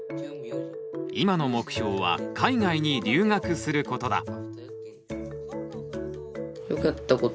今の目標は海外に留学することだ。